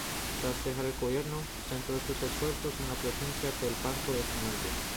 Tras dejar el gobierno, centró sus esfuerzos en la presidencia del Banco de Finlandia.